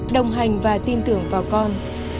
đồng hành và tin tưởng vào con